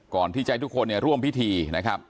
ก่อนที่ใจทุกคนร่วมพิธีนะครับ